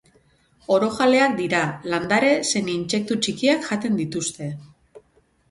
Orojaleak dira, landare zein intsektu txikiak jaten dituzte.